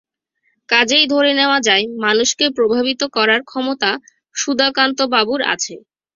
কাজেই ধরে নেওয়া যায়, মানুষকে প্রভাবিত করার ক্ষমতা সুধাকান্তবাবুর আছে।